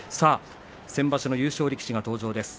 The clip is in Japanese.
先場所の優勝力士が登場です。